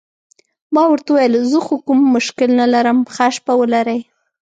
ما ورته وویل: زه خو کوم مشکل نه لرم، ښه شپه ولرئ.